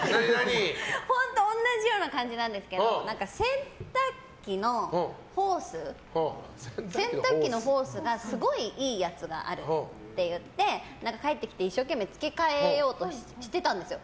同じような感じなんですけど洗濯機のホースがすごいいいやつがあるって言って帰ってきて一生懸命付け替えようとしてたんですよ。